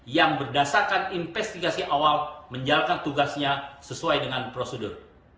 yang berdasarkan investigasi awal menjalankan tugasnya sesuai dengan prosedur